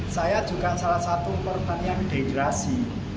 saya juga salah satu korban yang dehidrasi